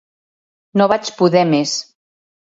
No vaig poder més.